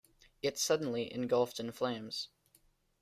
It suddenly engulfed in flames.